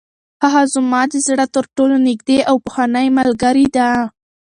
هغه زما د زړه تر ټولو نږدې او پخوانۍ ملګرې ده.